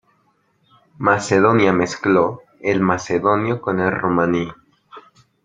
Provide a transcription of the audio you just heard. Macedonia mezcló el macedonio con el romaní.